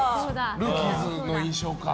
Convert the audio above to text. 「ルーキーズ」の印象か。